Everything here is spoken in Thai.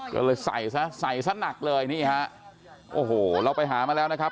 ก็เลยใส่ซะใส่ซะหนักเลยนี่ฮะโอ้โหเราไปหามาแล้วนะครับ